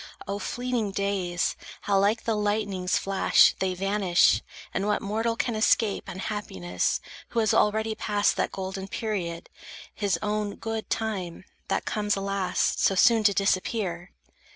O fleeting days! How like the lightning's flash, They vanish! And what mortal can escape Unhappiness, who has already passed That golden period, his own good time, That comes, alas, so soon to disappear?